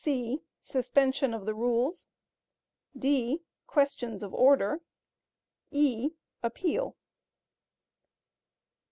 (c) Suspension of the Rules. (d) Questions of Order. (e) Appeal.